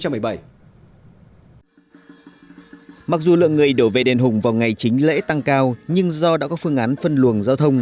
mặc dù lượng người đổ về đền hùng vào ngày chính lễ tăng cao nhưng do đã có phương án phân luồng giao thông